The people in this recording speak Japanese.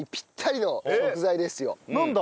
なんだ？